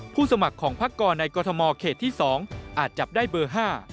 สมัครของพักกรในกรทมเขตที่๒อาจจับได้เบอร์๕